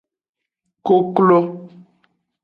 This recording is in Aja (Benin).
Koklo.